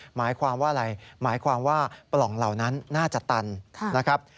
หมายความว่าอะไรหมายความว่าปล่องเหล่านั้นน่าจะตันนะครับ